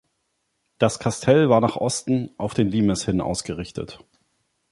Das Kastell war nach Osten, auf den Limes hin ausgerichtet.